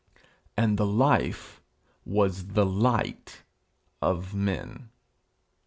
'And the life was the light of men.'